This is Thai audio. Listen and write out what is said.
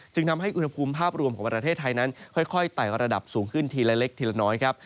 ทำให้อุณหภูมิภาพรวมของประเทศไทยนั้นค่อยไต่ระดับสูงขึ้นทีละเล็กทีละน้อยครับ